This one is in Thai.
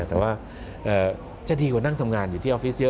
แต่ว่าจะดีกว่านั่งทำงานอยู่ที่ออฟฟิศเย